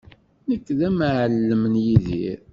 Nekk d amɛellem n Yidir.